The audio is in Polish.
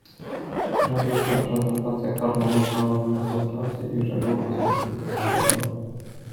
Graficzna prezentacja harmonogramów czasu pracy i reguł dostępu czasowego